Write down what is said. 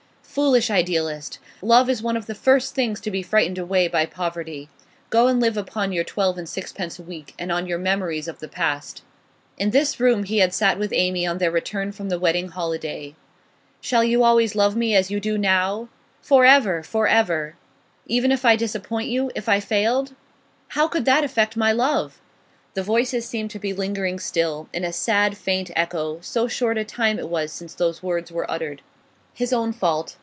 Foolish idealist! Love is one of the first things to be frightened away by poverty. Go and live upon your twelve and sixpence a week, and on your memories of the past.' In this room he had sat with Amy on their return from the wedding holiday. 'Shall you always love me as you do now?' 'For ever! for ever!' 'Even if I disappointed you? If I failed?' 'How could that affect my love?' The voices seemed to be lingering still, in a sad, faint echo, so short a time it was since those words were uttered. His own fault.